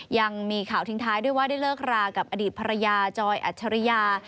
ยังมีข่าวทิ้งท้ายด้วยว่าได้เลิกรากับอดีตภรรยาจอยอัจฉริยา